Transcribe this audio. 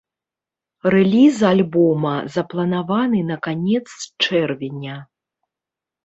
Рэліз альбома запланаваны на канец чэрвеня.